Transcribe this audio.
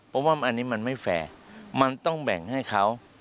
เพราะว่าอันนี้มันไม่แฟร์มันต้องแบ่งให้เขา